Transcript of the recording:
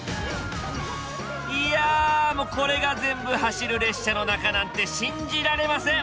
いやこれが全部走る列車の中なんて信じられません。